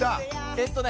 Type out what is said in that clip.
えっとね。